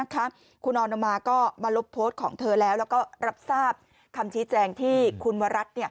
คุณออนออกมาก็มาลบโพสต์ของเธอแล้วแล้วก็รับทราบคำชี้แจงที่คุณวรัฐ